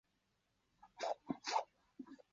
另外他拥有巴西及安哥拉双重国籍。